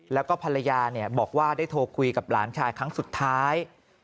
แล้วก็ภรรยาบอกว่าได้โทรคุยกับหลานชายครั้งสุดท้าย